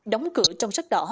đóng cửa trong sắc đỏ